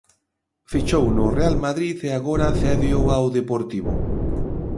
Fichouno o Real Madrid e agora cédeo ao Deportivo.